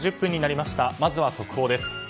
まずは速報です。